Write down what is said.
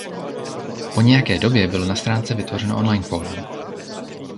Po nějaké době bylo na stránce vytvořeno online forum.